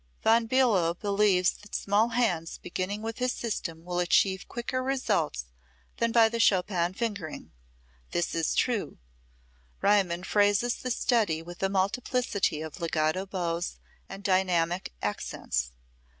Von Billow believes that small hands beginning with his system will achieve quicker results than by the Chopin fingering. This is true. Riemann phrases the study with a multiplicity of legato bows and dynamic accents.